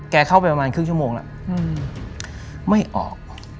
เข้าไปประมาณครึ่งชั่วโมงแล้วไม่ออก